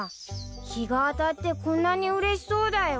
日が当たってこんなにうれしそうだよ。